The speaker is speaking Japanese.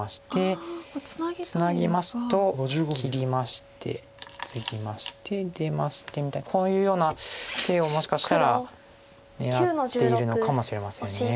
ツナぎますと切りましてツギまして出ましてみたいなこういうような手をもしかしたら狙っているのかもしれません。